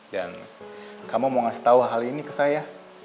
dan kamu mau ngasih tau hal ini ke saya